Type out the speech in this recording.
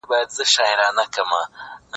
حق پالونکي تل په حقه لار روان وي.